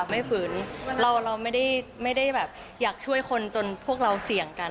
ฝืนเราไม่ได้แบบอยากช่วยคนจนพวกเราเสี่ยงกัน